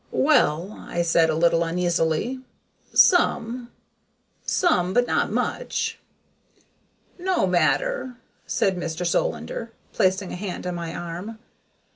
"Well," I said, a little uneasily, "some. Some, but not much." "No matter," said Mr. Solander, placing a hand on my arm.